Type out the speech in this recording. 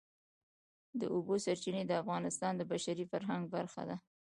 د اوبو سرچینې د افغانستان د بشري فرهنګ برخه ده.